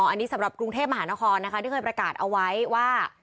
อันนี้สำหรับกรุงเทพมหานครนะคะที่เคยประกาศเอาไว้ว่า